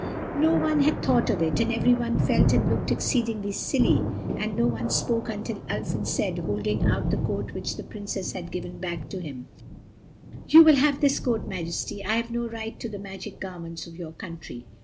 No one had thought of it, and everyone felt and looked exceedingly silly, and no one spoke till Ulfin said, holding out the coat which the Princess had given back to him— "You will have this coat, Majesty. I have no right to the magic garments of your country."